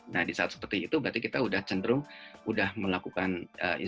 nah di saat seperti itu berarti kita udah cenderung udah melakukan